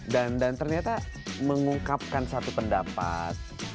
dan ternyata mengungkapkan satu pendapat